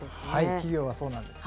企業はそうなんです。